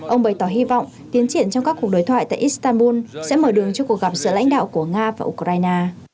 ông bày tỏ hy vọng tiến triển trong các cuộc đối thoại tại istanbul sẽ mở đường cho cuộc gặp giữa lãnh đạo của nga và ukraine